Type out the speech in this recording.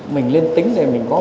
mình lên tính này mình có